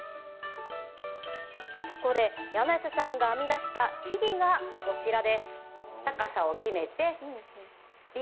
そこで、柳瀬さんが編み出した秘技がこちら。